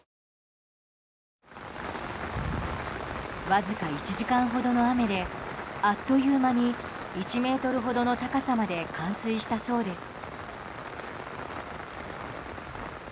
わずか１時間ほどの雨であっという間に１ｍほどの高さまで冠水したそうです。